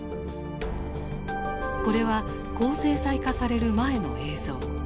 これは高精細化される前の映像。